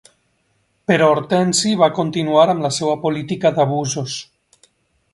Però Hortensi va continuar amb la seva política d'abusos.